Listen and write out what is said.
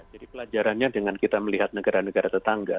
jadi pelajarannya dengan kita melihat negara negara tetangga